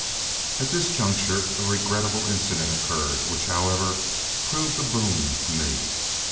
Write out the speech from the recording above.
At this juncture a regrettable incident occurred, which, however, proved a boon to me.